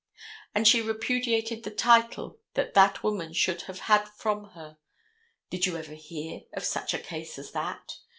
And she repudiated the title that that woman should have had from her. Did you ever hear of such a case as that?